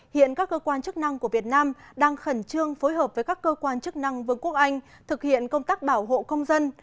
hiện các cơ quan chức năng của việt nam đang khẩn trương phối hợp với các cơ quan chức năng vương quốc anh thực hiện công tác bảo hộ công dân